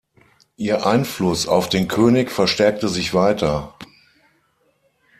Ihr Einfluss auf den König verstärkte sich weiter.